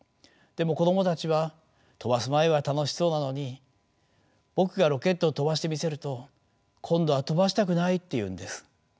でも子どもたちは飛ばす前は楽しそうなのに僕がロケットを飛ばしてみせると今度は飛ばしたくないって言うんです。